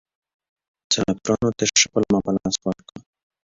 سناتورانو ته ښه پلمه په لاس ورکړه.